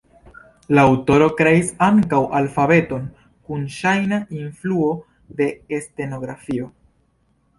La aŭtoro kreis ankaŭ alfabeton kun ŝajna influo de stenografio.